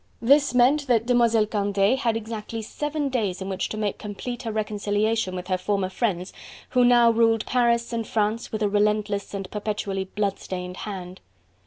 This meant that Demoiselle Candeille had exactly seven days in which to make complete her reconciliation with her former friends who now ruled Paris and France with a relentless and perpetually bloodstained hand.